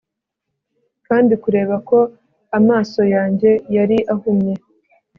kandi kubera ko amaso yanjye yari ahumye